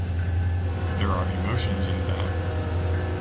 There are emotions in that.